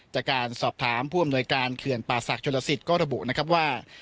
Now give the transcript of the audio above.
จากการสอบถามผู้อำนวยการเขื่อนป่าศักดิชนลสิตก็ระบุนะครับว่า